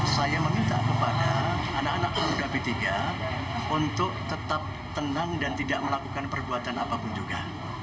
saya meminta kepada anak anak pemuda b tiga untuk tetap tenang dan tidak melakukan perbuatan apapun juga